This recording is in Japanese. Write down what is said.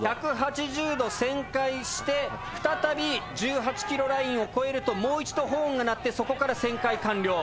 １８０度旋回して再び１８ｋｍラインを越えるともう一度ホーンが鳴ってそこから旋回完了。